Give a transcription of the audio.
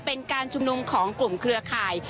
เป็นการชุมนุมของกลุ่มเครือข่าย